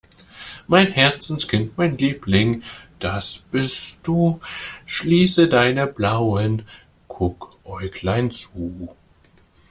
Mein Herzenskind, mein Liebling, das bist du, schließe deine blauen Guckäuglein zu.